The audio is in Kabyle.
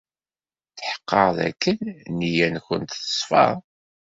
Tḥeqqeɣ dakken nneyya-nwent teṣfa.